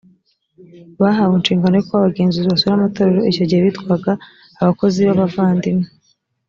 bahawe inshingano yo kuba abagenzuzi basura amatorero icyo gihe bitwaga abakozi b abavandimwe